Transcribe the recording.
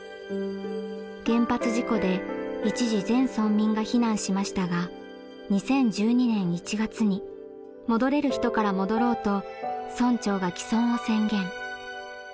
原発事故で一時全村民が避難しましたが２０１２年１月に「戻れる人から戻ろう」と村長が帰村を宣言。